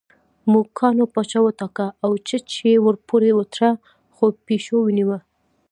موږکانو پاچا وټاکه او چج یې ورپورې وتړه خو پېشو ونیوه